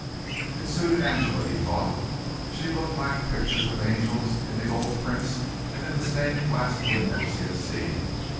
It suited Angela, he thought. She looked like pictures of Angels in the old prints and in the stained glass windows he had seen.